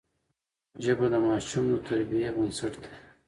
ژبه د ماشوم د تربیې بنسټ دی